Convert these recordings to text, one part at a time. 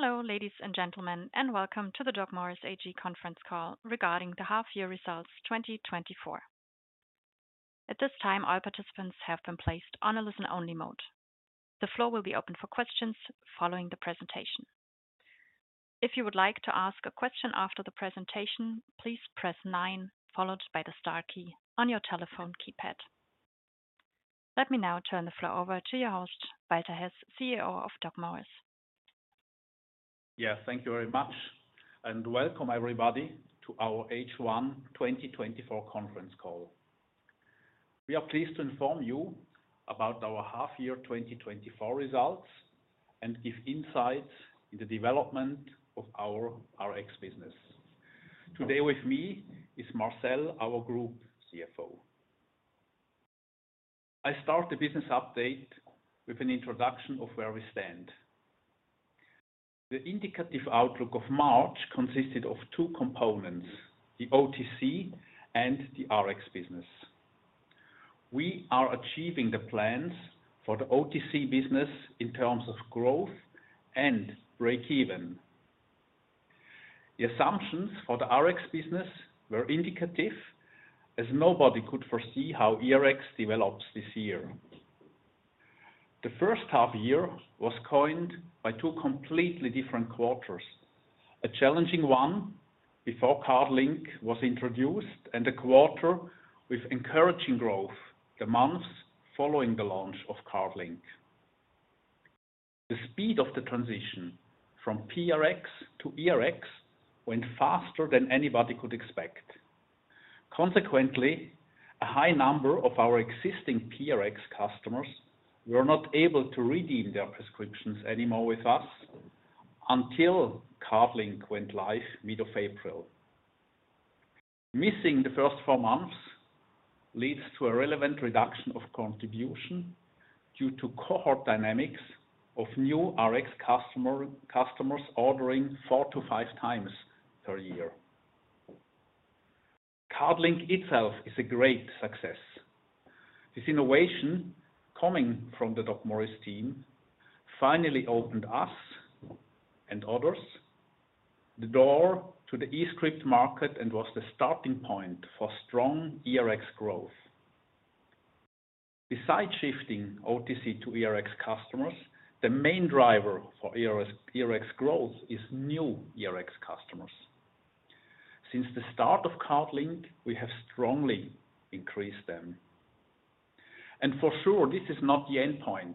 Hello, ladies and gentlemen, and Welcome to the DocMorris AG Conference Call Regarding the Half Year Results 2024. At this time, all participants have been placed on a listen-only mode. The floor will be open for questions following the presentation. If you would like to ask a question after the presentation, please press nine, followed by the star key on your telephone keypad. Let me now turn the floor over to your host, Walter Hess, CEO of DocMorris. Yeah, thank you very much, and welcome everybody to our H1 twenty twenty-four conference call. We are pleased to inform you about our half year twenty twenty-four results, and give insights into the development of our RX business. Today with me is Marcel, our Group CFO. I start the business update with an introduction of where we stand. The indicative outlook of March consisted of two components, the OTC and the RX business. We are achieving the plans for the OTC business in terms of growth and breakeven. The assumptions for the RX business were indicative, as nobody could foresee how eRX develops this year. The first half year was coined by two completely different quarters: a challenging one before CardLink was introduced, and a quarter with encouraging growth, the months following the launch of CardLink. The speed of the transition from PRX to eRX went faster than anybody could expect. Consequently, a high number of our existing PRX customers were not able to redeem their prescriptions anymore with us until CardLink went live, mid of April. Missing the first four months leads to a relevant reduction of contribution due to cohort dynamics of new RX customers ordering four to five times per year. CardLink itself is a great success. This innovation, coming from the DocMorris team, finally opened us and others, the door to the eScript market, and was the starting point for strong eRX growth. Besides shifting OTC to eRX customers, the main driver for eRX, eRX growth is new eRX customers. Since the start of CardLink, we have strongly increased them, and for sure, this is not the endpoint.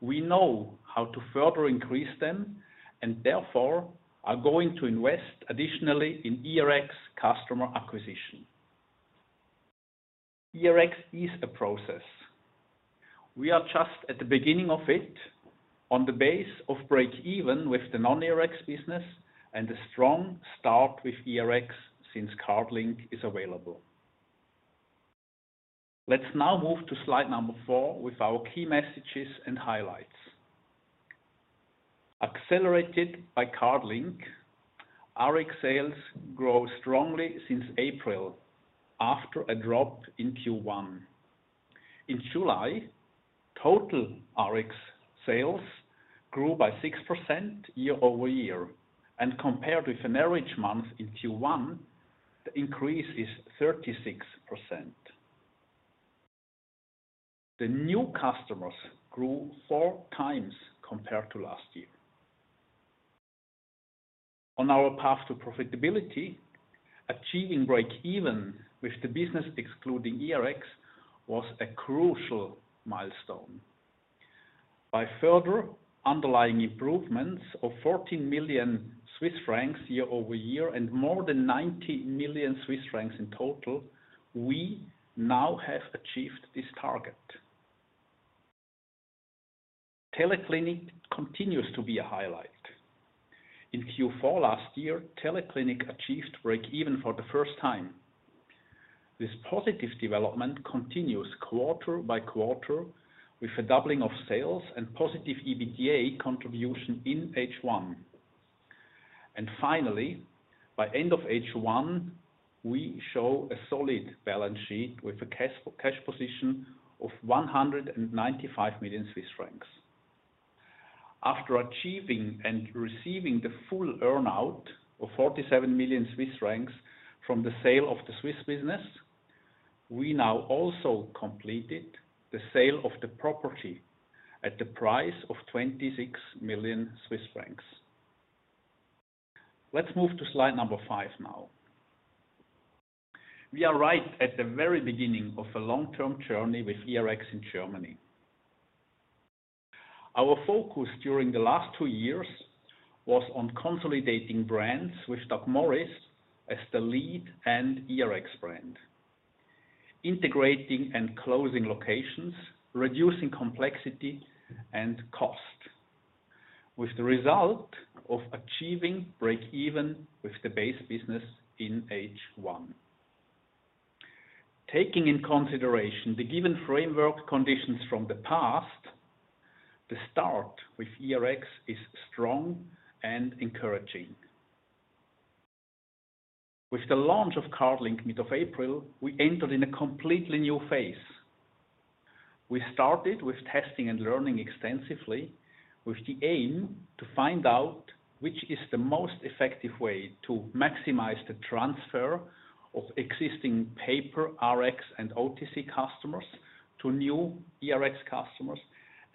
We know how to further increase them, and therefore are going to invest additionally in eRX customer acquisition. eRX is a process. We are just at the beginning of it, on the basis of breakeven with the non-eRX business and a strong start with eRX since CardLink is available. Let's now move to slide number 4 with our key messages and highlights. Accelerated by CardLink, RX sales grow strongly since April, after a drop in Q1. In July, total RX sales grew by 6% year-over-year, and compared with an average month in Q1, the increase is 36%. The new customers grew four times compared to last year. On our path to profitability, achieving breakeven with the business excluding eRX, was a crucial milestone. By further underlying improvements of 14 million Swiss francs year-over-year, and more than 90 million Swiss francs in total, we now have achieved this target. TeleClinic continues to be a highlight. In Q4 last year, TeleClinic achieved breakeven for the first time. This positive development continues quarter by quarter, with a doubling of sales and positive EBITDA contribution in H1. Finally, by end of H1, we show a solid balance sheet with a cash position of 195 million Swiss francs. After achieving and receiving the full earn-out of 47 million Swiss francs from the sale of the Swiss business, we now also completed the sale of the property at the price of 26 million Swiss francs. Let's move to slide number 5 now. We are right at the very beginning of a long-term journey with eRX in Germany. Our focus during the last two years was on consolidating brands with DocMorris as the lead and eRX brand, integrating and closing locations, reducing complexity and cost, with the result of achieving breakeven with the base business in H1. Taking in consideration the given framework conditions from the past, the start with eRX is strong and encouraging. With the launch of CardLink, mid of April, we entered in a completely new phase. We started with testing and learning extensively, with the aim to find out which is the most effective way to maximize the transfer of existing paper, Rx, and OTC customers to new eRX customers,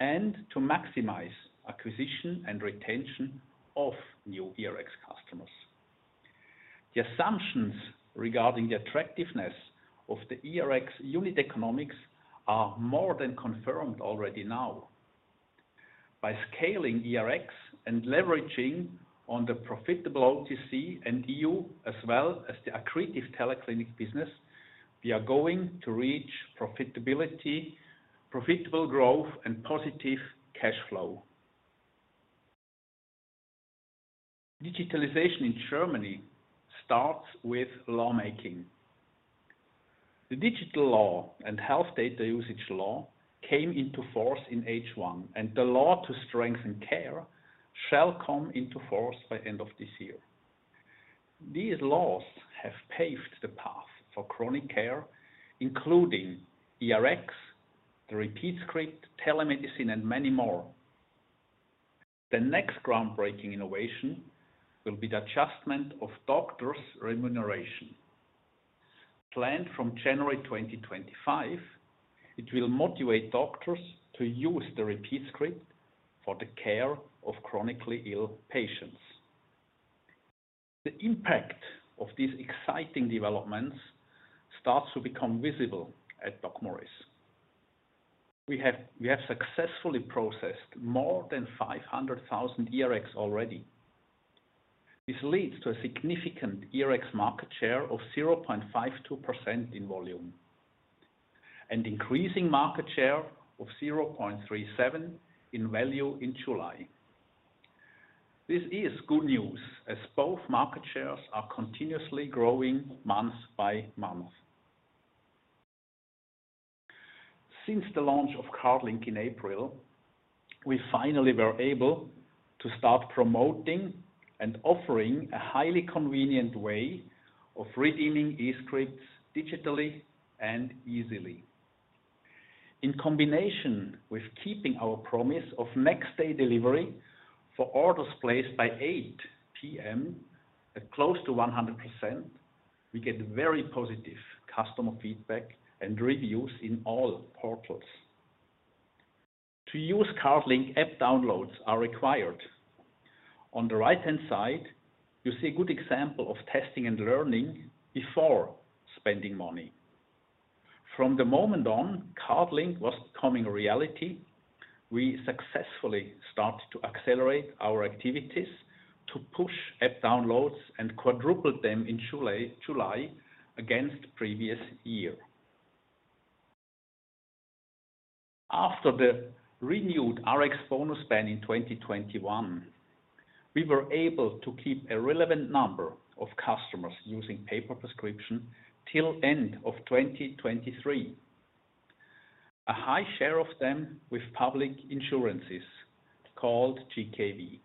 and to maximize acquisition and retention of new eRX customers. The assumptions regarding the attractiveness of the eRX unit economics are more than confirmed already now. By scaling eRX and leveraging on the profitable OTC and Europe, as well as the accretive TeleClinic business, we are going to reach profitability, profitable growth, and positive cash flow. Digitalization in Germany starts with lawmaking. The Digital Law and Health Data Usage Law came into force in H1, and the Law to Strengthen Care shall come into force by end of this year. These laws have paved the path for chronic care, including eRX, the repeat script, telemedicine, and many more. The next groundbreaking innovation will be the adjustment of doctors' remuneration. Planned from January twenty twenty-five, it will motivate doctors to use the repeat script for the care of chronically ill patients. The impact of these exciting developments starts to become visible at DocMorris. We have successfully processed more than 500,000 eRX already. This leads to a significant eRx market share of 0.52% in volume, and increasing market share of 0.37% in value in July. This is good news, as both market shares are continuously growing month by month. Since the launch of CardLink in April, we finally were able to start promoting and offering a highly convenient way of redeeming e-scripts digitally and easily. In combination with keeping our promise of next-day delivery for orders placed by 8 P.M., at close to 100%, we get very positive customer feedback and reviews in all portals. To use CardLink, app downloads are required. On the right-hand side, you see a good example of testing and learning before spending money. From the moment on, CardLink was becoming a reality. We successfully started to accelerate our activities to push app downloads and quadrupled them in July against previous year. After the renewed Rx bonus ban in 2021, we were able to keep a relevant number of customers using paper prescription till end of 2023. A high share of them with public insurances called GKV.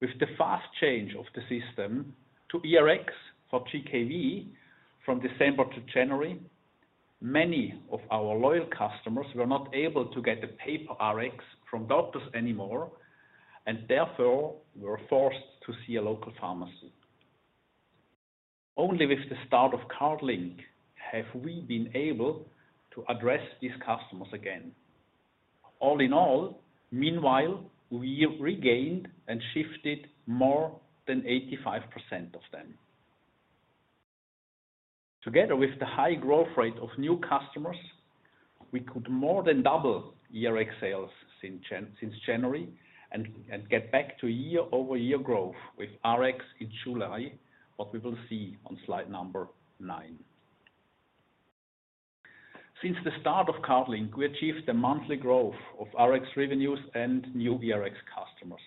With the fast change of the system to eRx for GKV, from December to January, many of our loyal customers were not able to get the paper Rx from doctors anymore, and therefore were forced to see a local pharmacy. Only with the start of CardLink, have we been able to address these customers again. All in all, meanwhile, we regained and shifted more than 85% of them. Together with the high growth rate of new customers, we could more than double eRx sales since January, and get back to year-over-year growth with Rx in July, what we will see on slide number nine. Since the start of CardLink, we achieved a monthly growth of Rx revenues and new eRx customers.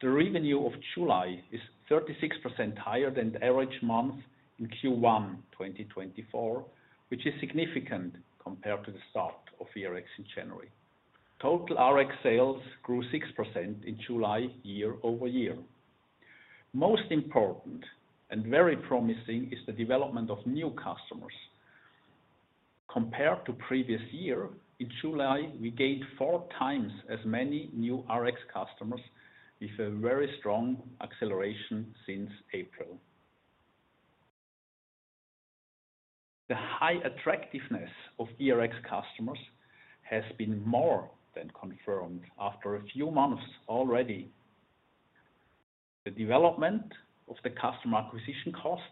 The revenue of July is 36% higher than the average month in Q1 2024, which is significant compared to the start of eRx in January. Total Rx sales grew 6% in July, year over year. Most important and very promising is the development of new customers. Compared to previous year, in July, we gained four times as many new Rx customers, with a very strong acceleration since April. The high attractiveness of eRx customers has been more than confirmed after a few months already. The development of the customer acquisition costs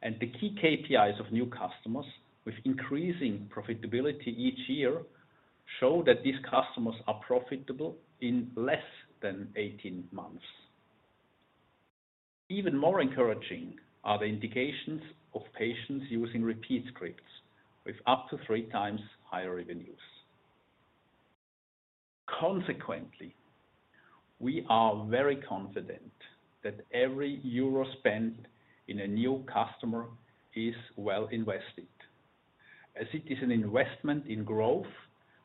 and the key KPIs of new customers, with increasing profitability each year, show that these customers are profitable in less than 18 months. Even more encouraging are the indications of patients using repeat scripts, with up to three times higher revenues. Consequently, we are very confident that every euro spent in a new customer is well invested, as it is an investment in growth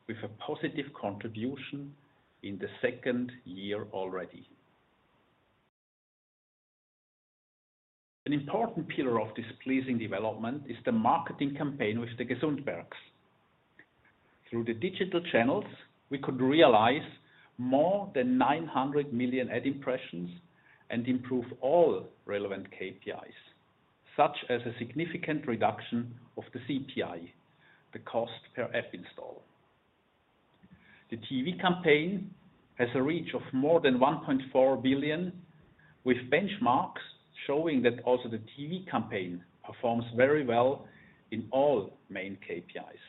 with a positive contribution in the second year already. An important pillar of this pleasing development is the marketing campaign with the Gesundbergs. Through the digital channels, we could realize more than 900 million ad impressions and improve all relevant KPIs, such as a significant reduction of the CPI, the cost per app install. The TV campaign has a reach of more than 1.4 billion, with benchmarks showing that also the TV campaign performs very well in all main KPIs.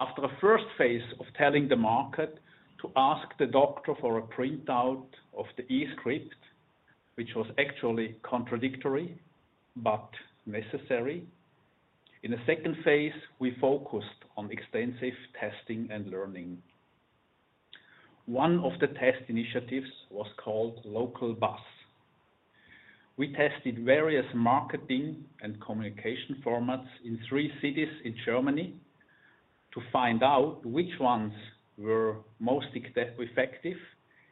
After the first phase of telling the market to ask the doctor for a printout of the eRx, which was actually contradictory but necessary, in the second phase, we focused on extensive testing and learning. One of the test initiatives was called Local Buzz. We tested various marketing and communication formats in three cities in Germany, to find out which ones were most effective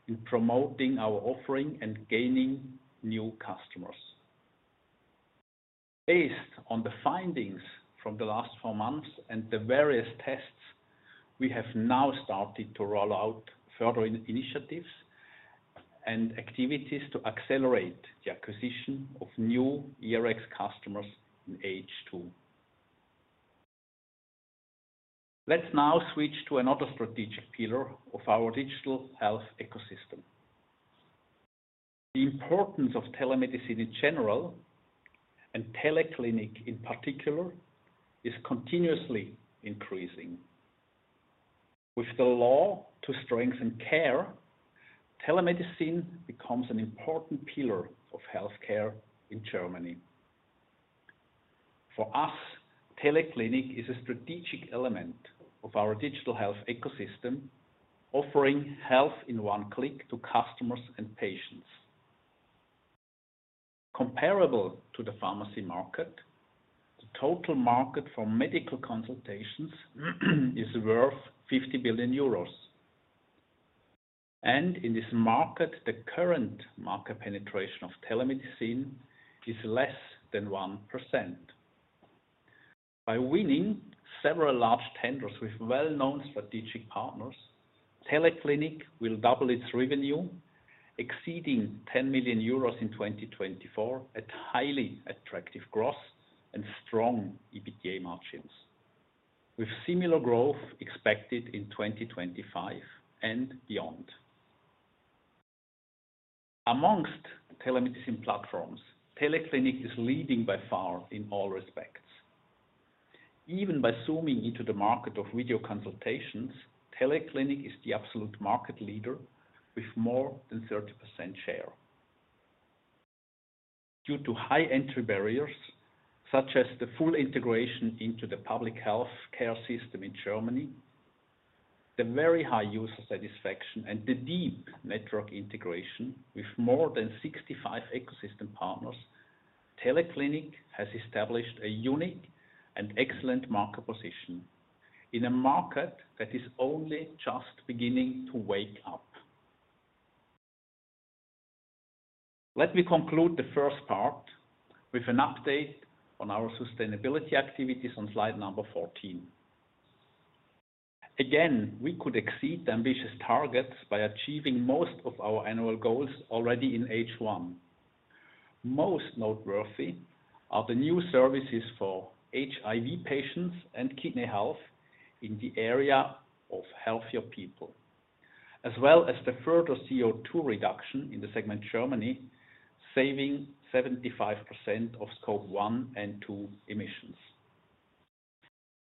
in promoting our offering and gaining new customers. Based on the findings from the last four months and the various tests, we have now started to roll out further initiatives and activities to accelerate the acquisition of new eRx customers in H2. Let's now switch to another strategic pillar of our digital health ecosystem. The importance of telemedicine in general, and TeleClinic in particular, is continuously increasing. With the law to strengthen care, telemedicine becomes an important pillar of healthcare in Germany. For us, TeleClinic is a strategic element of our digital health ecosystem, offering health in one click to customers and patients. Comparable to the pharmacy market, the total market for medical consultations is worth 50 billion euros. And in this market, the current market penetration of telemedicine is less than 1%. By winning several large tenders with well-known strategic partners, TeleClinic will double its revenue, exceeding 10 million euros in twenty twenty-four, at highly attractive growth and strong EBITDA margins, with similar growth expected in twenty twenty-five and beyond. Amongst the telemedicine platforms, TeleClinic is leading by far in all respects. Even by zooming into the market of video consultations, TeleClinic is the absolute market leader with more than 30% share. Due to high entry barriers, such as the full integration into the public health care system in Germany, the very high user satisfaction and the deep network integration with more than 65 ecosystem partners, TeleClinic has established a unique and excellent market position in a market that is only just beginning to wake up. Let me conclude the first part with an update on our sustainability activities on slide number fourteen. Again, we could exceed the ambitious targets by achieving most of our annual goals already in H1. Most noteworthy are the new services for HIV patients and kidney health in the area of Healthier People, as well as the further CO2 reduction in the segment Germany, saving 75% of Scope 1 and 2 emissions.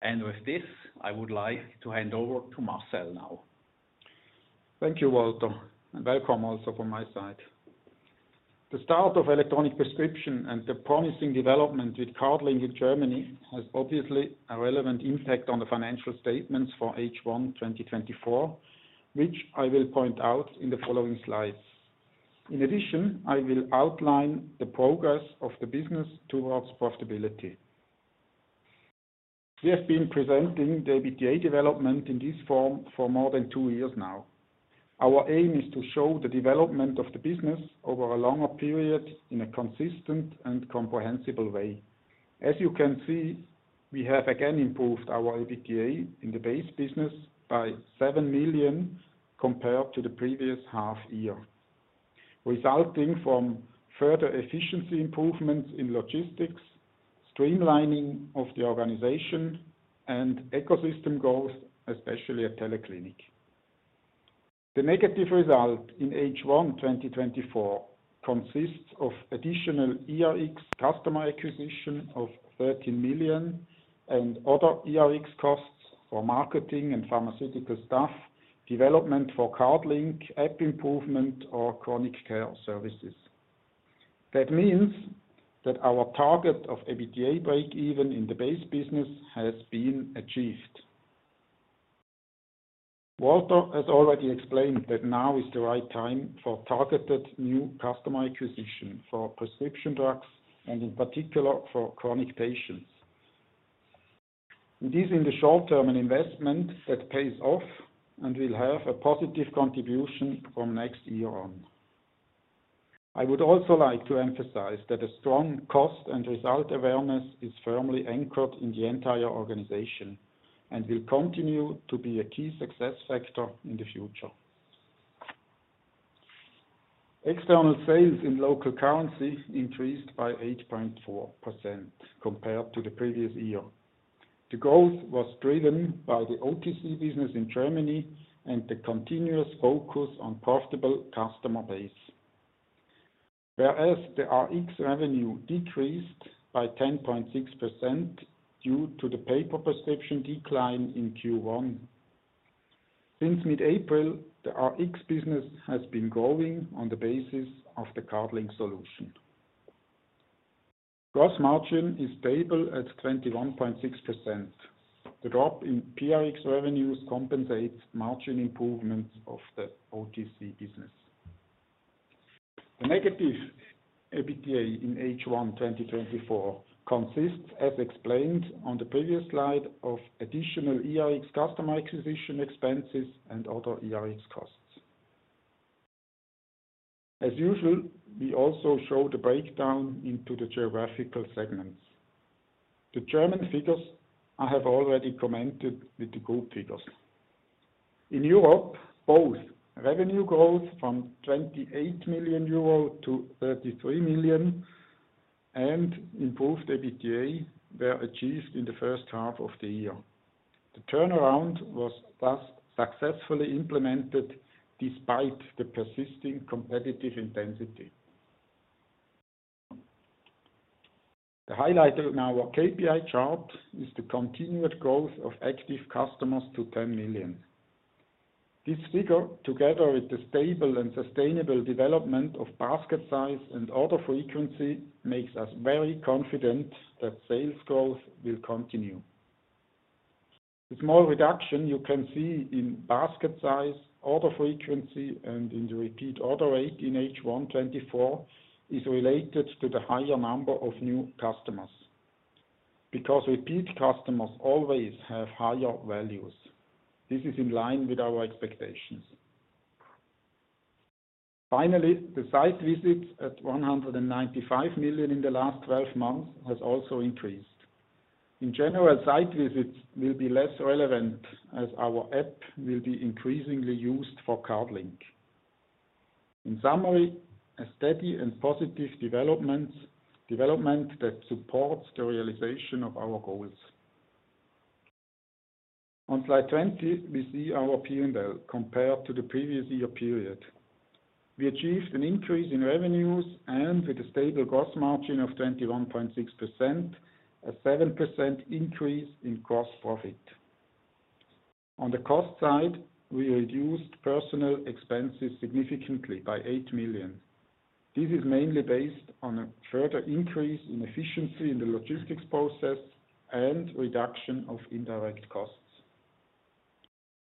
With this, I would like to hand over to Marcel now. Thank you, Walter, and welcome also from my side. The start of electronic prescription and the promising development with CardLink in Germany has obviously a relevant impact on the financial statements for H1, twenty twenty-four, which I will point out in the following slides. In addition, I will outline the progress of the business towards profitability. We have been presenting the EBITDA development in this form for more than two years now. Our aim is to show the development of the business over a longer period in a consistent and comprehensible way. As you can see, we have again improved our EBITDA in the base business by seven million, compared to the previous half year, resulting from further efficiency improvements in logistics, streamlining of the organization and ecosystem growth, especially at TeleClinic. The negative result in H1 2024 consists of additional eRx customer acquisition of thirteen million and other eRx costs for marketing and pharmaceutical staff, development for CardLink, app improvement or chronic care services. That means that our target of EBITDA breakeven in the base business has been achieved. Walter has already explained that now is the right time for targeted new customer acquisition for prescription drugs, and in particular, for chronic patients. It is in the short term, an investment that pays off and will have a positive contribution from next year on. I would also like to emphasize that a strong cost and result awareness is firmly anchored in the entire organization, and will continue to be a key success factor in the future. External sales in local currency increased by 8.4% compared to the previous year. The growth was driven by the OTC business in Germany and the continuous focus on profitable customer base. Whereas the Rx revenue decreased by 10.6% due to the paper prescription decline in Q1. Since mid-April, the Rx business has been growing on the basis of the CardLink solution. Gross margin is stable at 21.6%. The drop in PRX revenues compensates margin improvements of the OTC business. The negative EBITDA in H1 2024 consists, as explained on the previous slide, of additional eRx customer acquisition expenses and other eRx costs. As usual, we also show the breakdown into the geographical segments. The German figures, I have already commented with the group figures. In Europe, both revenue growth from 28 million euro to 33 million EUR, and improved EBITDA were achieved in the first half of the year. The turnaround was thus successfully implemented despite the persisting competitive intensity. The highlight of now our KPI chart is the continued growth of active customers to 10 million. This figure, together with the stable and sustainable development of basket size and order frequency, makes us very confident that sales growth will continue. The small reduction you can see in basket size, order frequency, and in the repeat order rate in H1 2024, is related to the higher number of new customers, because repeat customers always have higher values. This is in line with our expectations. Finally, the site visits at 195 million in the last twelve months, has also increased. In general, site visits will be less relevant as our app will be increasingly used for CardLink. In summary, a steady and positive developments that supports the realization of our goals. On slide 20, we see our P&L compared to the previous year period. We achieved an increase in revenues and with a stable gross margin of 21.6%, a 7% increase in gross profit. On the cost side, we reduced personnel expenses significantly by 8 million. This is mainly based on a further increase in efficiency in the logistics process and reduction of indirect costs.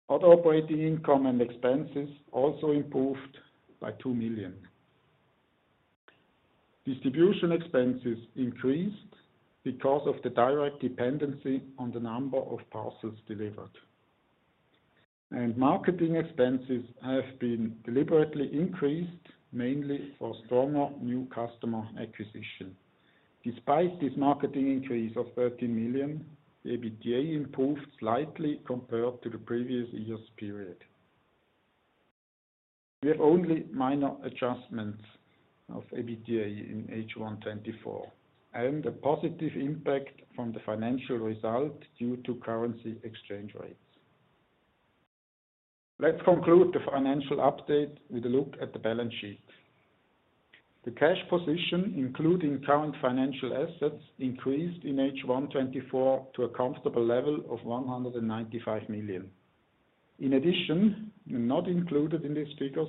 Other operating income and expenses also improved by 2 million. Distribution expenses increased because of the direct dependency on the number of parcels delivered, and marketing expenses have been deliberately increased, mainly for stronger new customer acquisition. Despite this marketing increase of 13 million, the EBITDA improved slightly compared to the previous year's period. We have only minor adjustments of EBITDA in H1 2024, and a positive impact from the financial result due to currency exchange rates. Let's conclude the financial update with a look at the balance sheet. The cash position, including current financial assets, increased in H1 2024 to a comfortable level of 195 million. In addition, not included in these figures,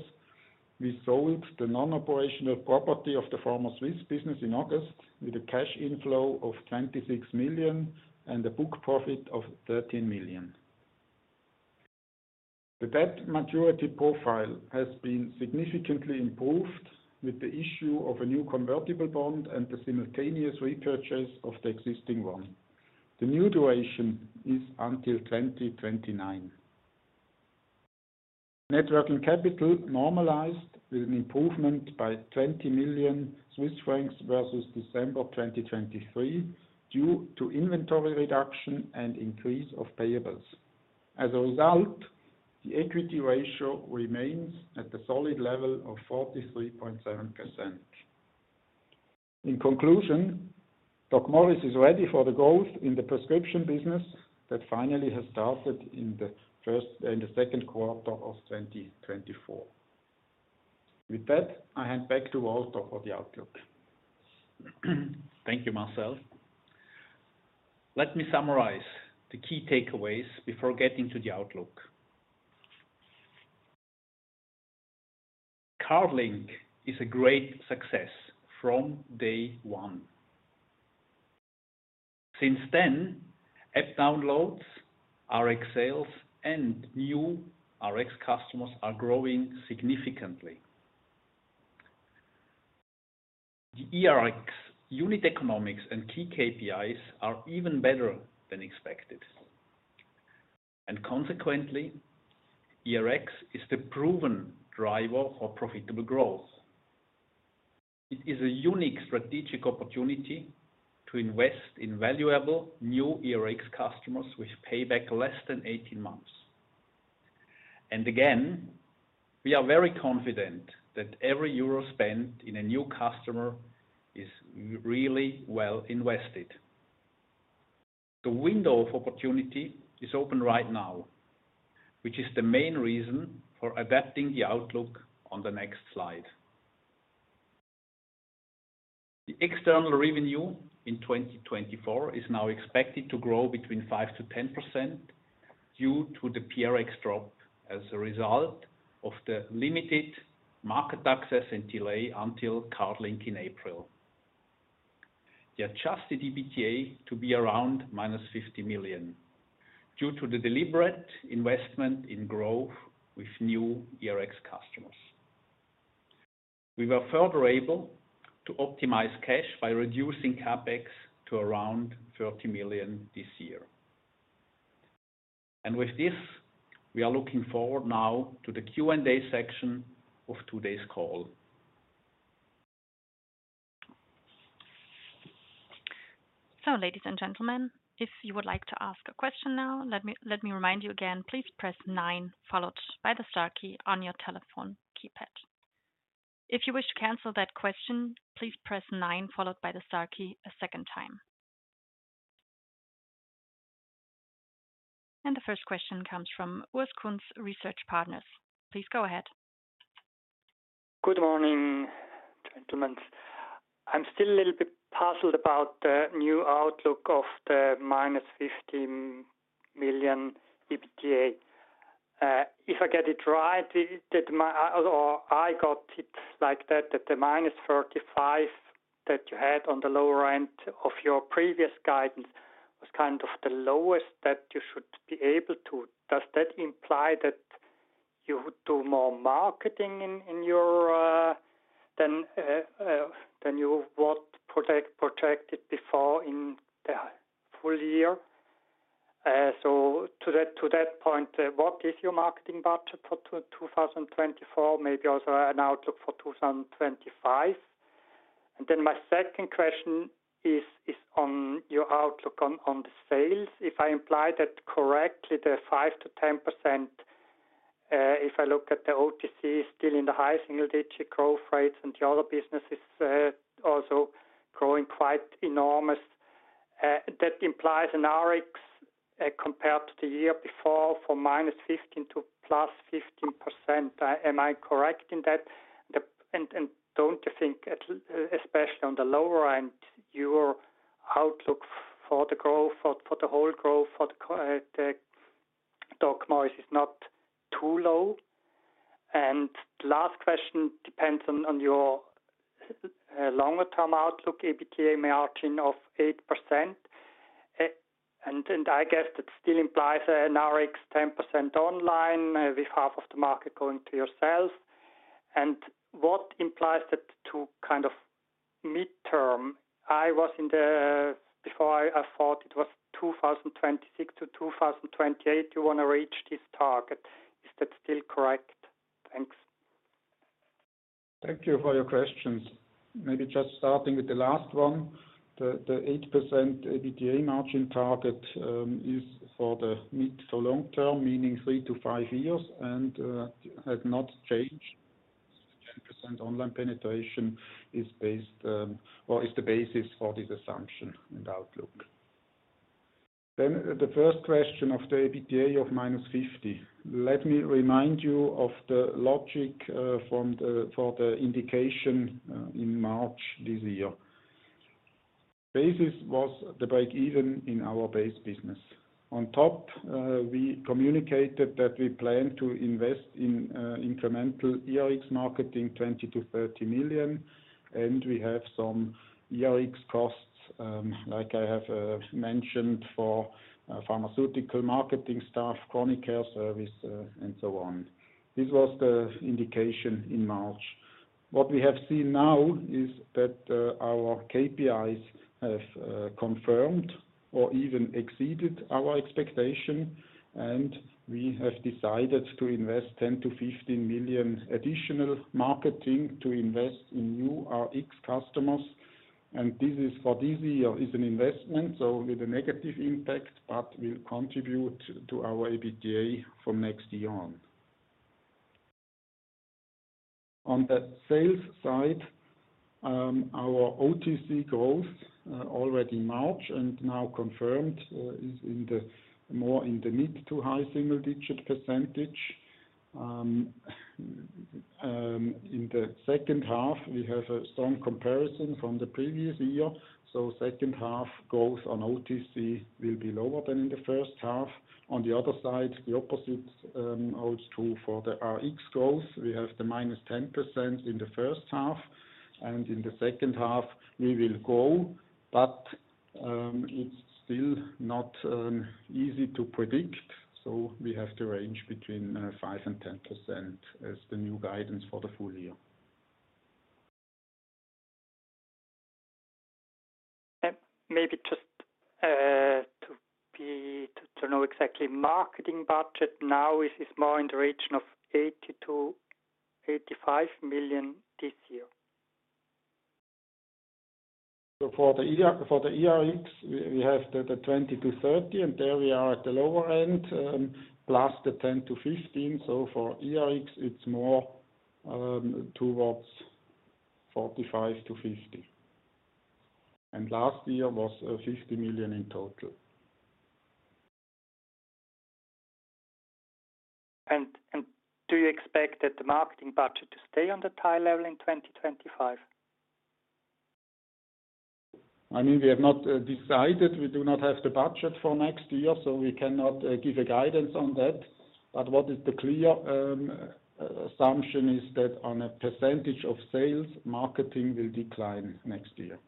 we sold the non-operational property of the Pharma Swiss business in August, with a cash inflow of 26 million and a book profit of 13 million. The debt maturity profile has been significantly improved with the issue of a new convertible bond and the simultaneous repurchase of the existing one. The new duration is until 2029. Net working capital normalized with an improvement by 20 million Swiss francs versus December 2023, due to inventory reduction and increase of payables. As a result, the equity ratio remains at a solid level of 43.7%. In conclusion, DocMorris is ready for the growth in the prescription business that finally has started in the second quarter of 2024. With that, I hand back to Walter for the outlook. Thank you, Marcel. Let me summarize the key takeaways before getting to the outlook. CardLink is a great success from day one. Since then, app downloads, eRX sales, and new eRX customers are growing significantly. The eRX unit economics and key KPIs are even better than expected, and consequently, eRX is the proven driver for profitable growth. It is a unique strategic opportunity to invest in valuable new eRX customers, which pay back less than eighteen months. And again, we are very confident that every euro spent in a new customer is really well invested. The window of opportunity is open right now, which is the main reason for adapting the outlook on the next slide. The external revenue in 2024 is now expected to grow between 5% to 10% due to the PRX drop as a result of the limited market access and delay until CardLink in April. The adjusted EBITDA to be around -50 million, due to the deliberate investment in growth with new eRx customers. We were further able to optimize cash by reducing CapEx to around 30 million this year. And with this, we are looking forward now to the Q&A section of today's call. Ladies and gentlemen, if you would like to ask a question now, let me remind you again. Please press nine, followed by the star key on your telephone keypad. If you wish to cancel that question, please press nine, followed by the star key a second time. The first question comes from Urs Kunz, Research Partners. Please go ahead. Good morning, gentlemen. I'm still a little bit puzzled about the new outlook of the minus 15 million EBITDA. If I get it right, or I got it like that, that the minus 35 that you had on the lower end of your previous guidance was kind of the lowest that you should be able to. Does that imply that you would do more marketing in your than what you projected before in the full year? So to that point, what is your marketing budget for twenty twenty-four? Maybe also an outlook for two thousand and twenty-five. And then my second question is on your outlook on the sales. If I imply that correctly, the 5-10%, if I look at the OTC, still in the high single digit growth rates and the other businesses, also growing quite enormous, that implies an RX, compared to the year before, from -15% to +15%. Am I correct in that? And don't you think, especially on the lower end, your outlook for the growth, for the whole growth for the DocMorris is not too low? And last question depends on your longer-term outlook, EBITDA margin of 8%. And I guess that still implies an RX 10% online, with half of the market going to yourself. And what implies that to kind of mid-term? Before I thought it was 2026 to 2028 you want to reach this target. Is that still correct? Thanks. Thank you for your questions. Maybe just starting with the last one. The 8% EBITDA margin target is for the mid- to long-term, meaning 3-5 years, and has not changed. 10% online penetration is based or is the basis for this assumption and outlook. Then, the first question of the EBITDA of minus 50. Let me remind you of the logic from the indication in March this year. Basis was the break-even in our base business. On top, we communicated that we plan to invest in incremental eRX marketing, 20-30 million EUR, and we have some eRX costs like I have mentioned for pharmaceutical marketing staff, chronic care service, and so on. This was the indication in March. What we have seen now is that our KPIs have confirmed or even exceeded our expectation, and we have decided to invest 10-15 million additional marketing to invest in new RX customers. This is, for this year, an investment, so with a negative impact, but will contribute to our EBITDA from next year on. On the sales side, our OTC growth already in March and now confirmed is more in the mid- to high-single-digit %. In the second half, we have a strong comparison from the previous year, so second half growth on OTC will be lower than in the first half. On the other side, the opposite holds true for the RX growth. We have the -10% in the first half, and in the second half we will grow, but it's still not easy to predict, so we have to range between 5% and 10% as the new guidance for the full year. Maybe just to know exactly, marketing budget now is more in the region of 80 million-85 million this year. So for the eRX, we have the 20-30, and there we are at the lower end, plus the 10-15. So for eRX, it's more towards 45-50. And last year was 50 million in total. Do you expect that the marketing budget to stay on the high level in twenty twenty-five? I mean, we have not decided. We do not have the budget for next year, so we cannot give a guidance on that, but what is the clear assumption that on a percentage of sales, marketing will decline next year.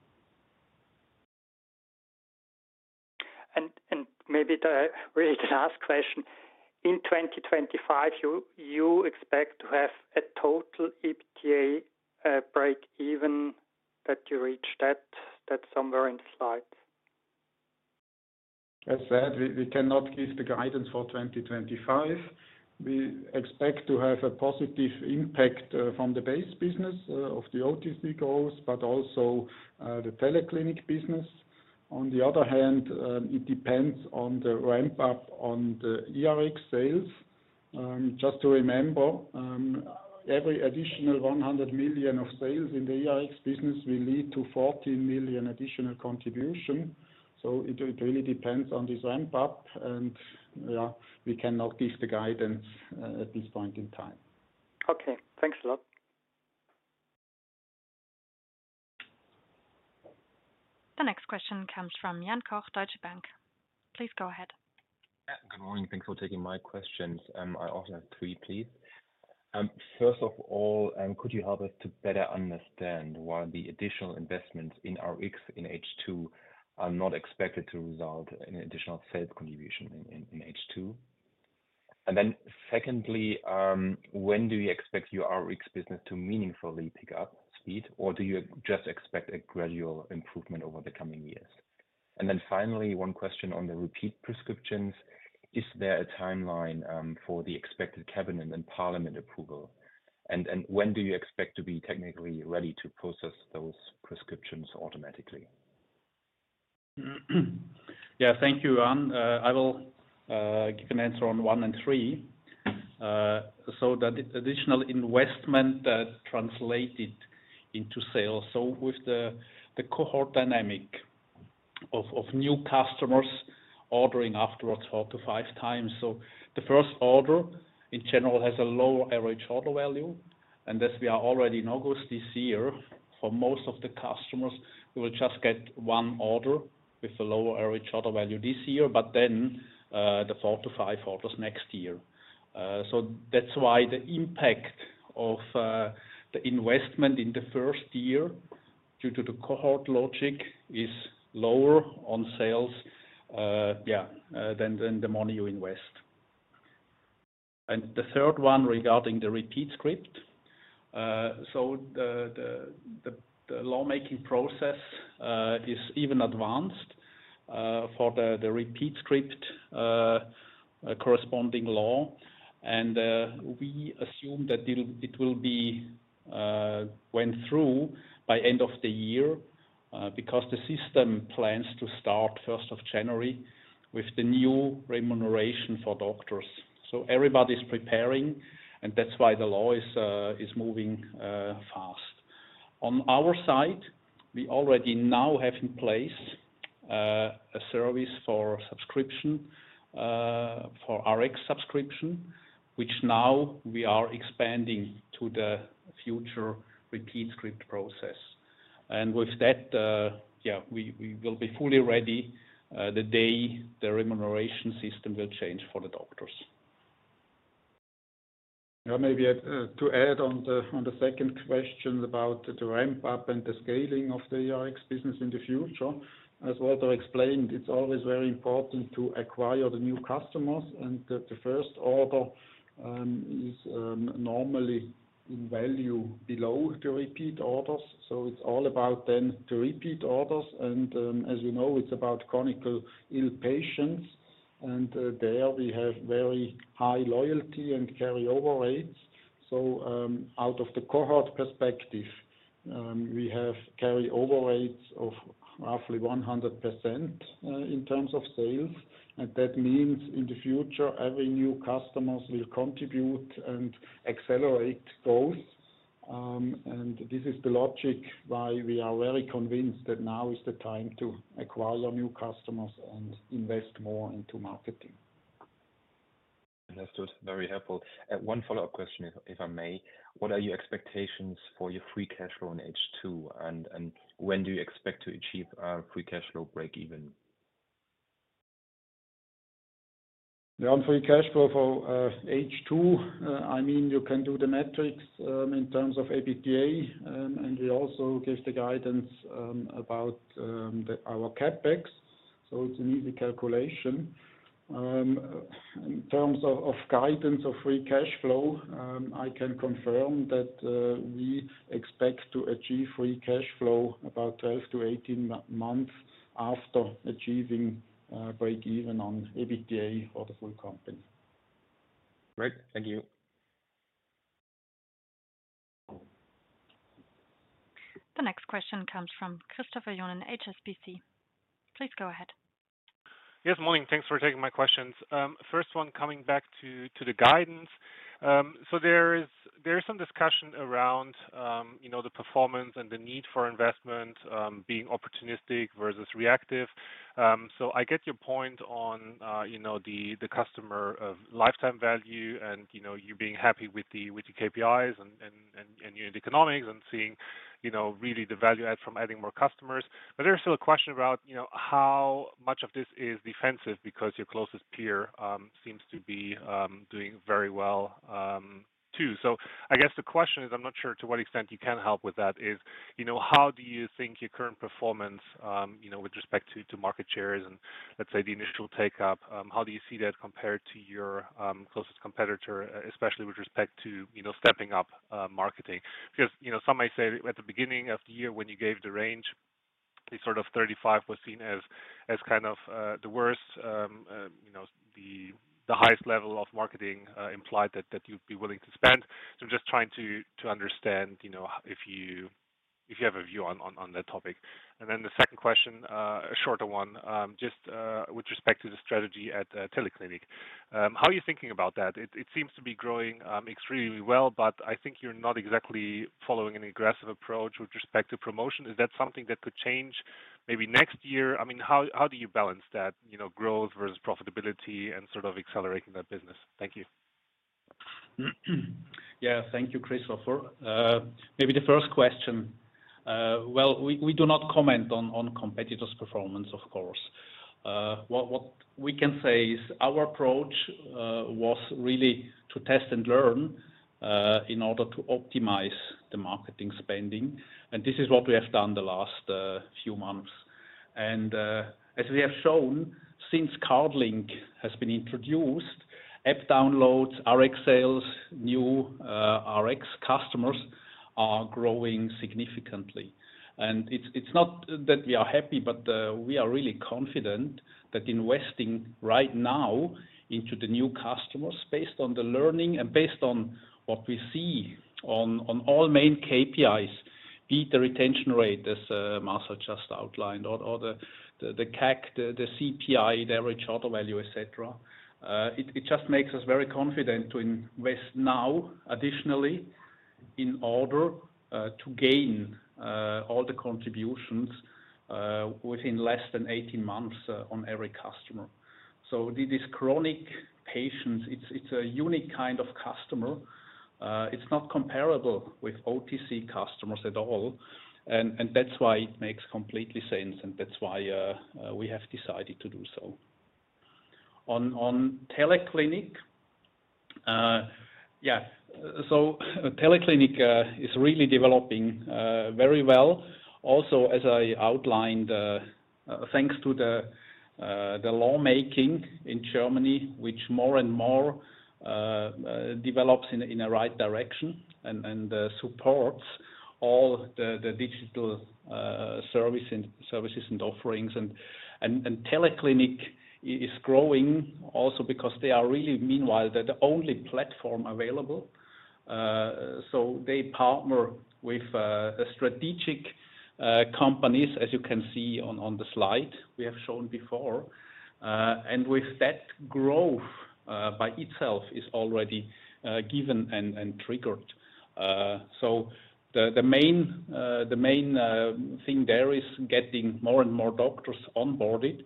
Maybe the really last question: in 2025, you expect to have a total EBITDA break even, that you reach that somewhere in slide? As said, we cannot give the guidance for 2025. We expect to have a positive impact from the base business of the OTC goals, but also the TeleClinic business. On the other hand, it depends on the ramp up on the eRx sales. Just to remember, every additional 100 million of sales in the eRx business will lead to 14 million additional contribution. So it really depends on this ramp up, and yeah, we cannot give the guidance at this point in time. Okay. Thanks a lot. The next question comes from Jan Koch, Deutsche Bank. Please go ahead. Yeah. Good morning. Thanks for taking my questions. I also have three, please. First of all, could you help us to better understand why the additional investments in RX in H2 are not expected to result in additional sales contribution in H2? And then secondly, when do you expect your RX business to meaningfully pick up speed, or do you just expect a gradual improvement over the coming years? And then finally, one question on the repeat prescriptions: Is there a timeline for the expected cabinet and parliament approval? And when do you expect to be technically ready to process those prescriptions automatically? Yeah, thank you, Jan. I will give an answer on one and three. So that additional investment translated into sales. So with the cohort dynamic of new customers ordering afterwards four to five times. So the first order, in general, has a lower average order value, and as we are already in August this year, for most of the customers, we will just get one order with a lower average order value this year, but then the four to five orders next year. So that's why the impact of the investment in the first year, due to the cohort logic, is lower on sales, yeah, than the money you invest. And the third one regarding the repeat script. So the lawmaking process is even advanced for the repeat script corresponding law. And we assume that it will be went through by end of the year because the system plans to start first of January with the new remuneration for doctors. So everybody's preparing, and that's why the law is moving fast. On our side, we already now have in place a service for subscription for RX subscription, which now we are expanding to the future repeat script process. And with that, yeah, we will be fully ready the day the remuneration system will change for the doctors. Yeah, maybe to add on the second question about the ramp up and the scaling of the RX business in the future. As Walter explained, it's always very important to acquire the new customers, and the first order is normally in value below the repeat orders, so it's all about then the repeat orders. And, as you know, it's about chronic ill patients, and there we have very high loyalty and carry-over rates, so out of the cohort perspective, we have carry-over rates of roughly 100% in terms of sales. And that means in the future, every new customers will contribute and accelerate growth. And this is the logic why we are very convinced that now is the time to acquire new customers and invest more into marketing. Understood. Very helpful. One follow-up question, if I may: What are your expectations for your free cash flow in H2, and when do you expect to achieve free cash flow breakeven? Yeah, on free cash flow for H2, I mean, you can do the metrics in terms of EBITDA, and we also give the guidance about our CapEx, so it's an easy calculation. In terms of guidance of free cash flow, I can confirm that we expect to achieve free cash flow about twelve to eighteen months after achieving breakeven on EBITDA for the full company. Great. Thank you. The next question comes from Christopher Johnen, HSBC. Please go ahead. Yes, morning. Thanks for taking my questions. First one, coming back to the guidance. So there is some discussion around, you know, the performance and the need for investment, being opportunistic versus reactive. So I get your point on, you know, the customer lifetime value and, you know, you being happy with the KPIs and your economics and seeing, you know, really the value add from adding more customers. But there's still a question about, you know, how much of this is defensive because your closest peer seems to be doing very well, too. So, I guess the question is. I'm not sure to what extent you can help with that. Is, you know, how do you think your current performance, you know, with respect to market shares and let's say the initial take up, how do you see that compared to your closest competitor, especially with respect to, you know, stepping up marketing? Because, you know, some might say at the beginning of the year, when you gave the range, the sort of thirty-five was seen as, as kind of the worst, you know, the highest level of marketing implied that you'd be willing to spend. So I'm just trying to understand, you know, if you have a view on that topic. And then the second question, a shorter one, just, with respect to the strategy at TeleClinic. How are you thinking about that? It seems to be growing extremely well, but I think you're not exactly following an aggressive approach with respect to promotion. Is that something that could change maybe next year? I mean, how do you balance that, you know, growth versus profitability and sort of accelerating that business? Thank you. Yeah, thank you, Christopher. Maybe the first question. Well, we do not comment on competitors' performance, of course. What we can say is our approach was really to test and learn in order to optimize the marketing spending, and this is what we have done the last few months. And as we have shown, since CardLink has been introduced, app downloads, RX sales, new RX customers are growing significantly. And it's not that we are happy, but we are really confident that investing right now into the new customers based on the learning and based on what we see on all main KPIs, be it the retention rate, as Marcel just outlined, or the CAC, the CPI, the average order value, et cetera. It just makes us very confident to invest now, additionally, in order to gain all the contributions within less than 18 months on every customer. So this chronic patients, it's a unique kind of customer. It's not comparable with OTC customers at all, and that's why it makes completely sense, and that's why we have decided to do so. On TeleClinic, yeah. So TeleClinic is really developing very well. Also, as I outlined, thanks to the lawmaking in Germany, which more and more develops in a right direction and supports all the digital services and offerings. And TeleClinic is growing also because they are really, meanwhile, they're the only platform available. So they partner with strategic companies, as you can see on the slide we have shown before. And with that growth by itself is already given and triggered. So the main thing there is getting more and more doctors onboarded,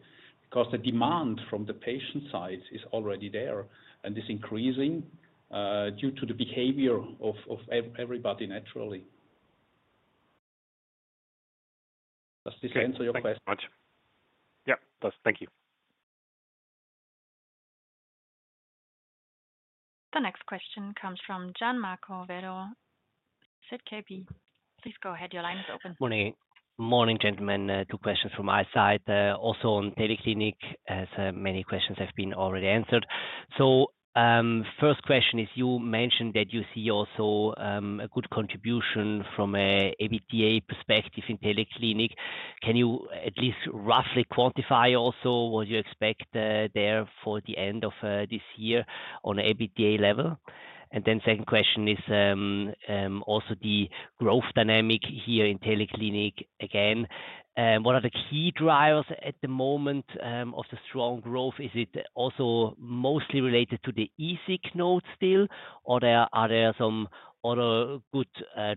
because the demand from the patient side is already there and is increasing due to the behavior of everybody, naturally. Does this answer your question? Okay. Thank you much. Yep, it does. Thank you. The next question comes from Gian Marco Werro, ZKB. Please go ahead. Your line is open. Morning. Morning, gentlemen, two questions from my side, also on TeleClinic, as many questions have been already answered. So, firs`t question is, you mentioned that you see also a good contribution from an EBITDA perspective in TeleClinic. Can you at least roughly quantify also what you expect there for the end of this year on EBITDA level? And then second question is also the growth dynamic here in TeleClinic again. What are the key drivers at the moment of the strong growth? Is it also mostly related to the eSickNote still, or there are some other good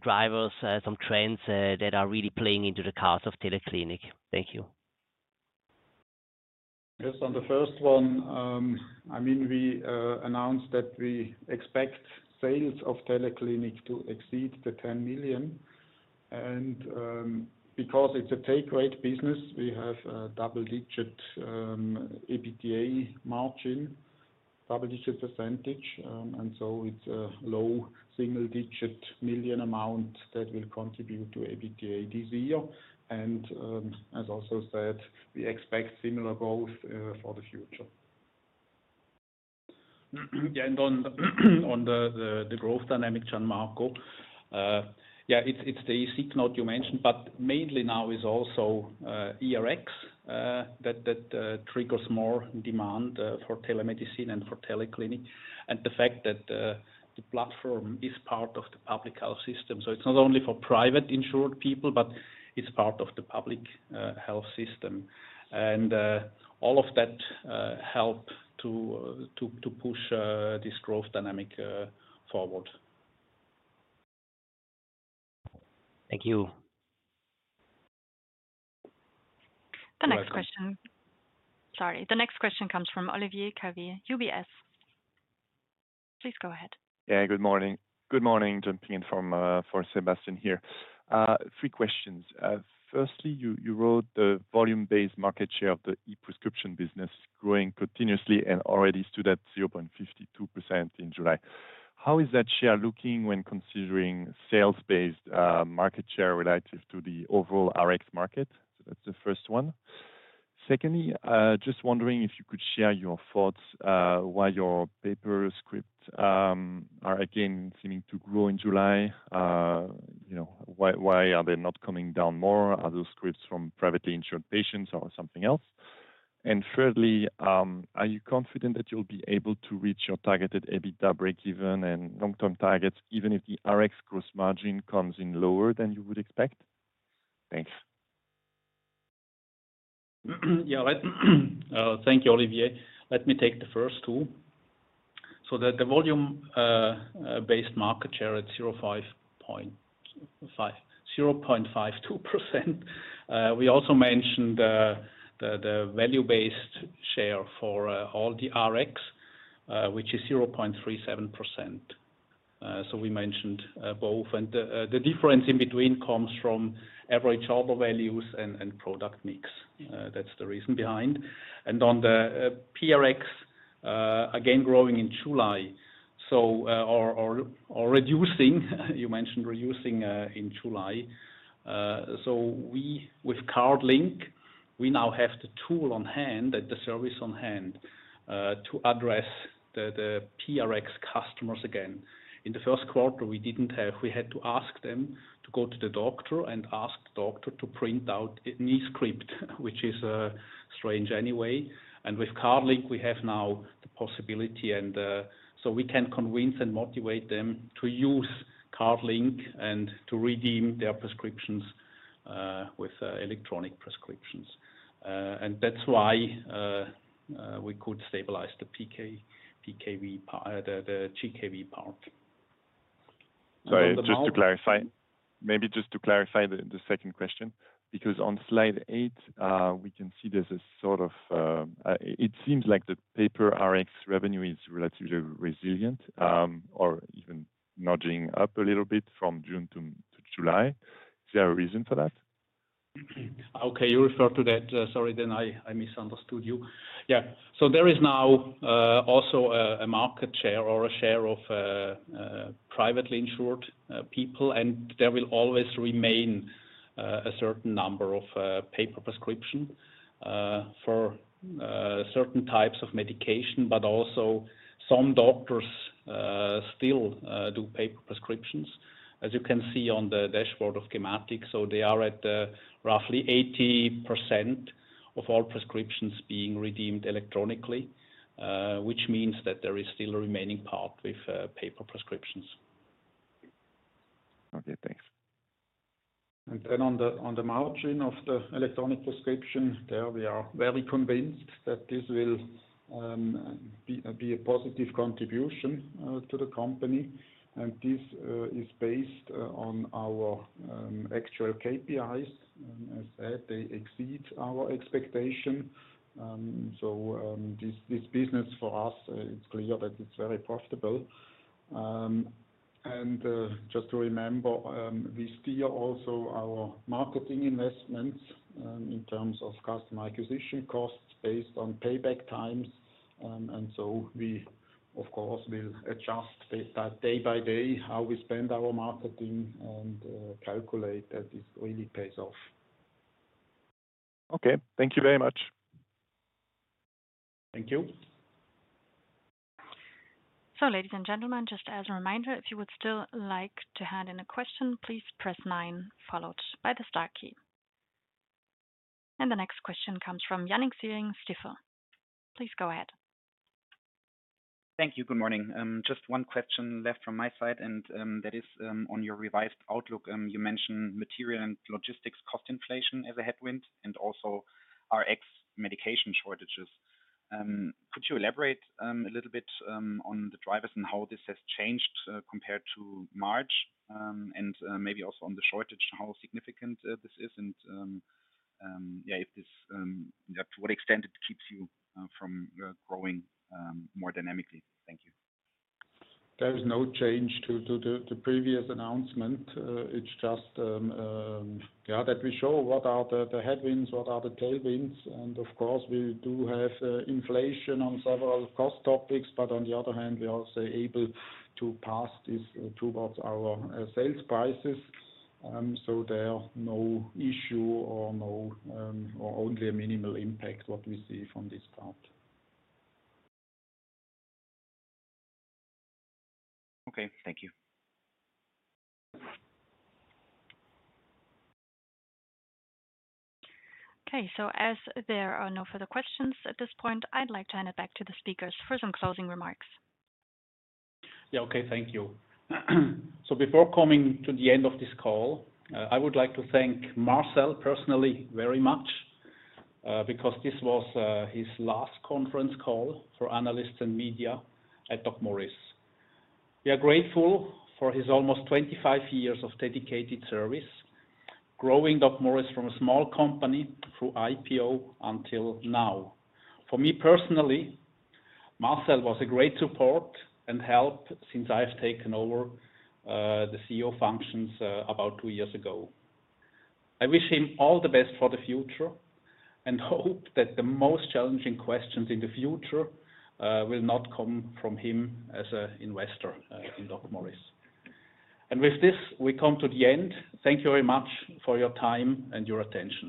drivers, some trends that are really playing into the course of TeleClinic? Thank you. Yes. On the first one, I mean, we announced that we expect sales of TeleClinic to exceed the 10 million. And because it's a take rate business, we have a double-digit EBITDA margin, double-digit %. And so it's a low single-digit million amount that will contribute to EBITDA this year. And as also said, we expect similar growth for the future. Yeah, and on the growth dynamic, Gian Marco, yeah, it's the eSickNote you mentioned, but mainly now is also eRx that triggers more demand for telemedicine and for TeleClinic, and the fact that the platform is part of the public health system. So it's not only for private insured people, but it's part of the public health system. And all of that help to push this growth dynamic forward. Thank you. The next question- You're welcome. Sorry. The next question comes from Olivier Calvet, UBS. Please go ahead. Yeah, good morning. Good morning. Jumping in for Sebastian here. Three questions. Firstly, you wrote the volume-based market share of the e-prescription business growing continuously and already stood at 0.52% in July. How is that share looking when considering sales-based market share relative to the overall RX market? So that's the first one. Secondly, just wondering if you could share your thoughts why your paper script are again seeming to grow in July. You know, why are they not coming down more? Are those scripts from privately insured patients or something else? And thirdly, are you confident that you'll be able to reach your targeted EBITDA breakeven and long-term targets, even if the RX gross margin comes in lower than you would expect? Thanks. Yeah. Let me thank you, Olivier. Let me take the first two. So the volume based market share at 0.55... 0.52%. We also mentioned the value-based share for all the RX, which is 0.37%. So we mentioned both. And the difference in between comes from average order values and product mix. That's the reason behind. And on the PRX, again, growing in July. Or reducing, you mentioned reducing in July. So we, with CardLink, we now have the tool on hand, at the service on hand, to address the PRX customers again. In the first quarter, we had to ask them to go to the doctor and ask the doctor to print out an e-script, which is strange anyway, and with CardLink, we have now the possibility, so we can convince and motivate them to use CardLink and to redeem their prescriptions with electronic prescriptions, and that's why we could stabilize the GKV part. Sorry, just to clarify. Maybe just to clarify the second question, because on slide eight, we can see there's a sort of it seems like the paper Rx revenue is relatively resilient, or even nudging up a little bit from June to July. Is there a reason for that? Okay, you refer to that. Sorry, then I, I misunderstood you. Yeah, so there is now also a market share or a share of privately insured people, and there will always remain a certain number of paper prescription for certain types of medication, but also some doctors still do paper prescriptions, as you can see on the dashboard of Gematik, so they are at roughly 80% of all prescriptions being redeemed electronically, which means that there is still a remaining part with paper prescriptions. Okay, thanks. And then on the margin of the electronic prescription, there we are very convinced that this will be a positive contribution to the company. And this is based on our actual KPIs. As said, they exceed our expectation. So, this business for us, it's clear that it's very profitable. And just to remember, we steer also our marketing investments in terms of customer acquisition costs based on payback times. And so we, of course, will adjust day by day, how we spend our marketing and calculate that this really pays off. Okay. Thank you very much. Thank you. So, ladies and gentlemen, just as a reminder, if you would still like to hand in a question, please press nine, followed by the star key. And the next question comes from Yannick Siering, Stifel. Please go ahead. Thank you. Good morning. Just one question left from my side, and that is on your revised outlook. You mentioned material and logistics cost inflation as a headwind and also Rx medication shortages. Could you elaborate a little bit on the drivers and how this has changed compared to March? And maybe also on the shortage, how significant this is, and yeah, if this to what extent it keeps you from growing more dynamically? Thank you. There is no change to the previous announcement. It's just, yeah, that we show what are the headwinds, what are the tailwinds? And of course, we do have inflation on several cost topics, but on the other hand, we are also able to pass this towards our sales prices. So there are no issue or no, or only a minimal impact, what we see from this part. Okay. Thank you. Okay, so as there are no further questions at this point, I'd like to hand it back to the speakers for some closing remarks. Yeah. Okay. Thank you. Before coming to the end of this call, I would like to thank Marcel, personally, very much, because this was his last conference call for analysts and media at DocMorris. We are grateful for his almost twenty-five years of dedicated service, growing DocMorris from a small company through IPO until now. For me, personally, Marcel was a great support and help since I've taken over the CEO functions about two years ago. I wish him all the best for the future, and hope that the most challenging questions in the future will not come from him as a investor in DocMorris. With this, we come to the end. Thank you very much for your time and your attention.